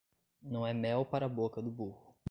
Não é mel para a boca do burro.